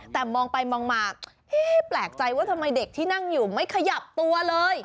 แต่มองไปมองมาแปลกใจว่าทำไมเด็กที่นั่งอยู่ไม่ขยับตัวเลย